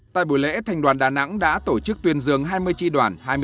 tại buổi lễ thành đoàn đà nẵng đã tổ chức tuyên dương hai mươi tri đoàn